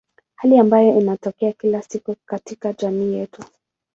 Hali ambayo inatokea kila siku katika jamii yetu.